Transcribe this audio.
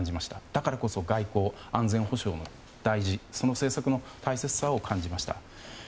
だからこそ外交安全保障の大事さその政策の大切さを知りました。